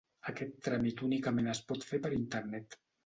Aquest tràmit únicament es pot fer per internet.